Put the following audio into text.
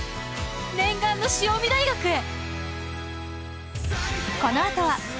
念願の潮見大学へ！